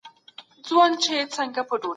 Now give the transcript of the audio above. احمد نن په کلي کي یو نوی کور واخیستی.